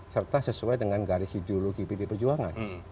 serta sesuai dengan garisi geologi dpr perjuangan